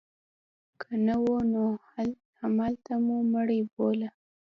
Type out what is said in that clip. که نه نو همدلته مو مړه بوله.